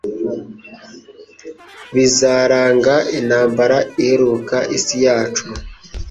bizaranga intambara iheruka isi yacu.